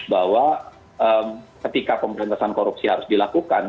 bahwa ketika pemberantasan korupsi harus dilakukan